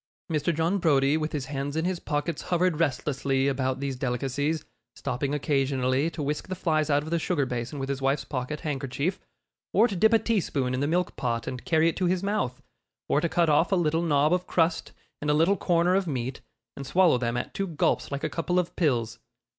Mr. John Browdie, with his hands in his pockets, hovered restlessly about these delicacies, stopping occasionally to whisk the flies out of the sugar basin with his wife's pocket handkerchief, or to dip a teaspoon in the milk pot and carry it to his mouth, or to cut off a little knob of crust, and a little corner of meat, and swallow them at two gulps like a couple of pills.